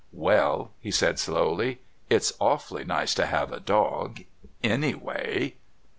"Well," he said slowly, "it's awfully nice to have a dog anyway."